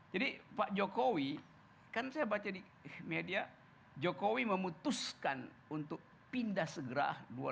pak jokowi kan saya baca di media jokowi memutuskan untuk pindah segera dua ribu dua puluh